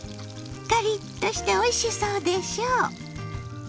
カリッとしておいしそうでしょ！